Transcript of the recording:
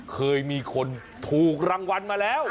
เคยมีคนถูกรางวัลมาแล้ว